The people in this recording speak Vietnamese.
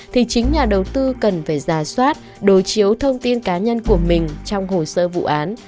thì chính nhà đầu tư cần phải giả soát đối chiếu thông tin cá nhân của mình trong hồ sơ vụ án